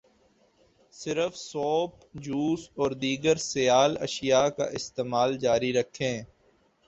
صرف soup, juice, اور دیگر سیال اشیاء کا استعمال جاری رکھیں